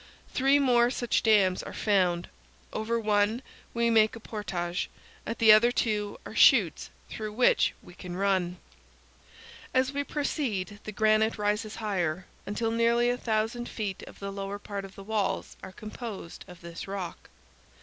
Three more such dams are found. Over one we make a portage; at the other two are chutes through which we can run. As we proceed the granite rises higher, until nearly a thousand feet of the lower part of the walls are composed of this rock.